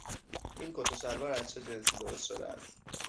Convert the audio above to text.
این کت و شلوار از چه جنسی درست شده است؟